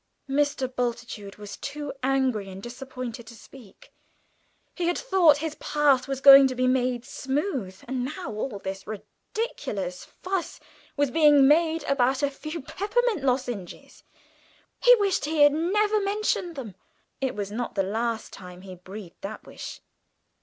Mr. Bultitude was too angry and disappointed to speak. He had thought his path was going to be made smooth, and now all this ridiculous fuss was being made about a few peppermint lozenges. He wished he had never mentioned them. It was not the last time he breathed that wish.